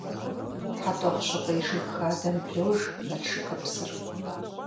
Хьэтӏохъущыкъуей жыг хадэм блож Налшыкыпсыр.